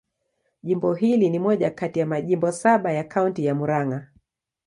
Jimbo hili ni moja kati ya majimbo saba ya Kaunti ya Murang'a.